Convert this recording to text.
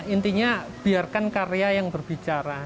intinya biarkan karya yang berbicara